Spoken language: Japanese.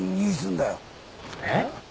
えっ？